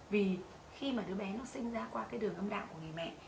vì khi mà đứa bé nó sinh ra qua cái đường âm đạo của người mẹ